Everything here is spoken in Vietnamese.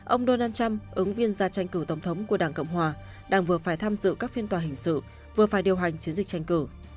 ông donald trump ứng viên ra tranh cử tổng thống của đảng cộng hòa đang vừa phải tham dự các phiên tòa hình sự vừa phải điều hành chiến dịch tranh cử